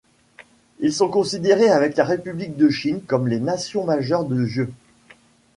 Ils sont considérés avec la République de Chine comme les nations majeures du jeu.